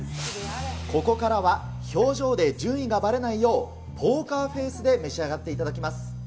ここからは表情で順位がばれないよう、ポーカーフェースで召し上がっていただきます。